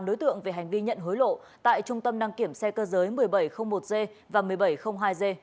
chín đối tượng về hành vi nhận hối lộ tại trung tâm đăng kiểm xe cơ giới một nghìn bảy trăm linh một g và một mươi bảy trăm linh hai g